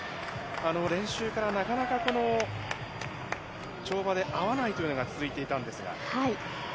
練習からなかなか、この跳馬で合わないというのが続いていたんですが。